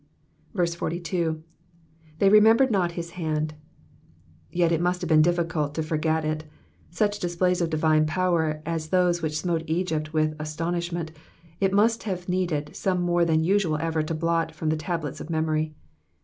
43. '''•They rememUred not his hand,'*^ Yet it must have been difficult to forget it. Such disphiys of divine power as those which smote Egypt with astonishment, it must have needed some more than usual effort to blot from the tablets of memory.